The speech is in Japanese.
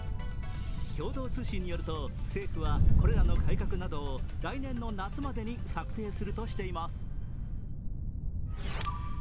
共同通信によると、政府はこれらの改革などを来年の夏までに策定するとしています。